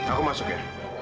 aku masuk ya